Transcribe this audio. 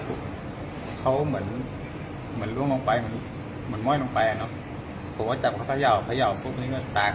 บ้านบ้านก็ไม่ไม่ตอบแล้วพ็อก็จับรถไปกลับมา